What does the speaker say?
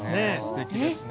すてきですね。